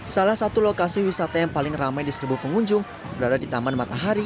salah satu lokasi wisata yang paling ramai di seribu pengunjung berada di taman matahari